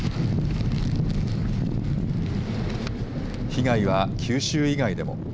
被害は九州以外でも。